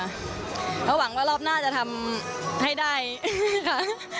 เพราะหวังว่ารอบหน้าจะทำให้ได้ค่ะ